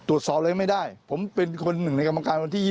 ตรวจสอบอะไรไม่ได้ผมเป็นคนหนึ่งในกรรมการวันที่๒๒